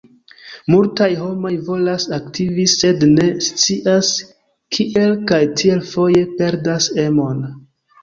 Multaj homoj volas aktivi, sed ne scias kiel kaj tiel foje perdas emon.